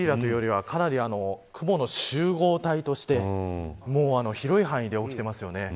ゲリラというよりはかなり雲の集合体として広い範囲で起きてますよね。